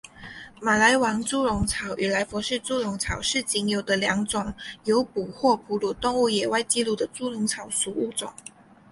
马来王猪笼草与莱佛士猪笼草是仅有的两种有捕获哺乳动物野外记录的猪笼草属物种。